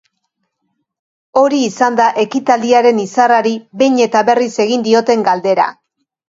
Hori izan da ekitaldiaren izarrari behin eta berriz egin dioten galdera.